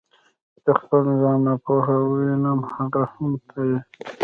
چې د خپل ځان نه ناپوه وینم هغه هم ته یې.